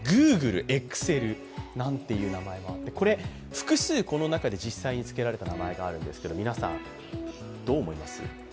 複数この中で実際に付けられた名前があるんですけど、皆さん、どう思います？